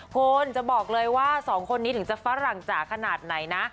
คุณจะบอกเลยว่าสองคนนี้ถึงจะฝรั่งจ๋าขนาดไหนนะ